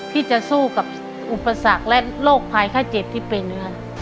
ที่จะสู้กับอุปสรรคและโรคพลายค่าเจ็บที่เป็น